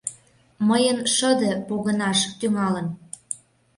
Мыйын шыде погынаш тӱҥалын.